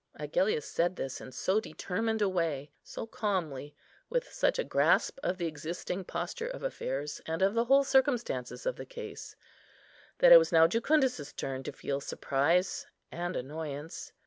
Agellius said this in so determined a way, so calmly, with such a grasp of the existing posture of affairs, and of the whole circumstances of the case, that it was now Jucundus's turn to feel surprise and annoyance.